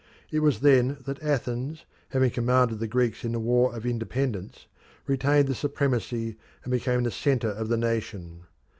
It was then that Athens, having commanded the Greeks in the War of Independence, retained the supremacy and became the centre of the nation.